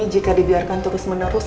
jika dibiarkan terus menerus